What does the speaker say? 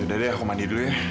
ya dian aku mandi dulu ya